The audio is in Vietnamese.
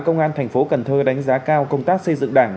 công an tp cn đánh giá cao công tác xây dựng đảng